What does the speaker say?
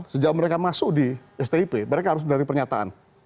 sejak mereka masuk di stip mereka harus mendapat pernyataan